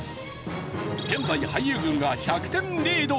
現在俳優軍が１００点リード。